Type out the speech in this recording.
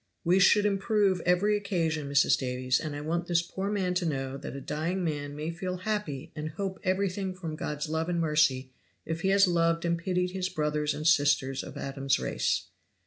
"We should improve every occasion, Mrs. Davies, and I want this poor man to know that a dying man may feel happy and hope everything from God's love and mercy, if he has loved and pitied his brothers and sisters of Adam's race."